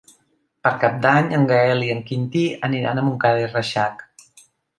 Per Cap d'Any en Gaël i en Quintí aniran a Montcada i Reixac.